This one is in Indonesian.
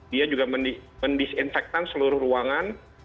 dia juga mendisinfektan seluruh ruangan